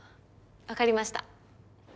分かりました。